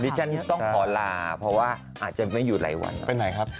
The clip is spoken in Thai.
เพิ่งไปพักว่ามันจะไปไหนอีก